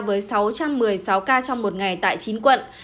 với sáu trăm một mươi sáu ca trong một ngày tại chín quận